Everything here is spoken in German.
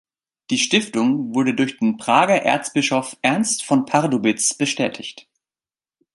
Die Stiftung wurde durch den Prager Erzbischof Ernst von Pardubitz bestätigt.